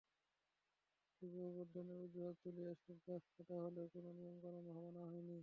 শোভাবর্ধনের অজুহাত তুলে এসব গাছ কাটা হলেও কোনো নিয়মকানুন মানা হয়নি।